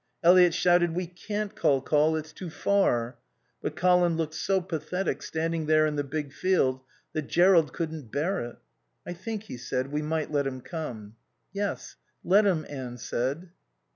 Eliot shouted "We can't, Col Col, it's too far," but Colin looked so pathetic, standing there in the big field, that Jerrold couldn't bear it. "I think," he said, "we might let him come." "Yes. Let him," Anne said.